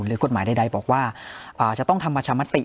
หรือกฎหมายใดบอกว่าจะต้องทำประชามติ